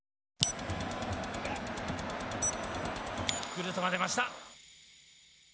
クルトワ出ました。